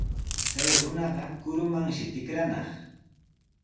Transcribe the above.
Chay runaqa kurumanshi tikranaq.